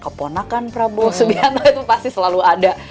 keponakan prabowo subianto itu pasti selalu ada